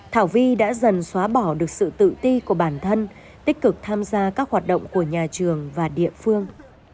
thảo vi đã dần xóa bỏ được sự tự ti của bản thân tích cực tham gia các hoạt động của nhà trường và địa phương